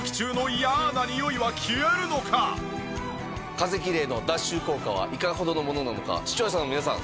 風きれいの脱臭効果はいかほどのものなのか視聴者の皆さん